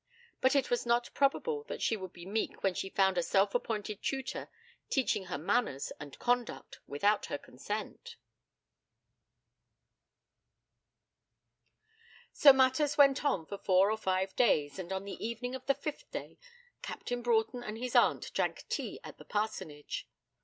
But it was not probable that she would be meek when she found a self appointed tutor teaching her manners and conduct without her consent. So matters went on for four or five days, and on the evening of the fifth day, Captain Broughton and his aunt drank tea at the parsonage.